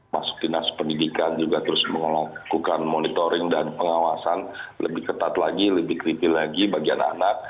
masuk dinas pendidikan juga terus melakukan monitoring dan pengawasan lebih ketat lagi lebih kritil lagi bagi anak anak